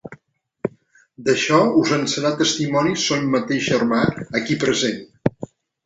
D'això us en serà testimoni son mateix germà, aquí present.